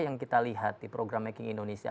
yang kita lihat di program making indonesia